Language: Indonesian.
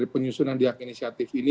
pengusunan diak inisiatif ini